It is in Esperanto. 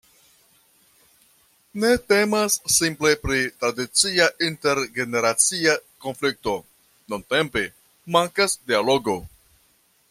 Ne temas simple pri tradicia intergeneracia konflikto: nuntempe mankas dialogo.